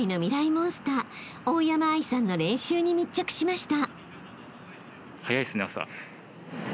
モンスター大山藍さんの練習に密着しました］